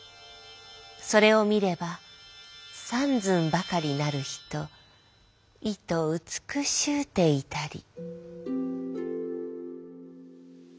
それを見れば三寸ばかりなる人いと美しうてゐたり」。